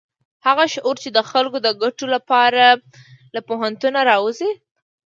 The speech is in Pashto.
هغه شعور چې د خلکو د ګټو لپاره له پوهنتونونو راوزي.